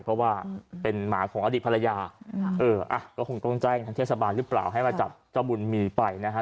เพราะว่าเป็นหมาของอดีตภรรยาก็คงต้องแจ้งทางเทศบาลหรือเปล่าให้มาจับเจ้าบุญมีไปนะฮะ